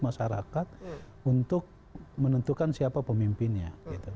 masyarakat untuk menentukan siapa pemimpinnya